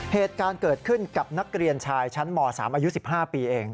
เหตุการณ์เกิดขึ้นกับนักเรียนชายชั้นม๓อายุ๑๕ปีเอง